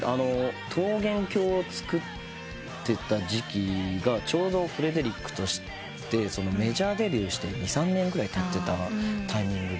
『ＴＯＧＥＮＫＹＯ』を作ってた時期がちょうどフレデリックとしてメジャーデビューして２３年ぐらいたってたタイミングで。